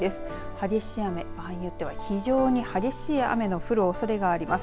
激しい雨、場合によっては非常に激しい雨の降るおそれがあります。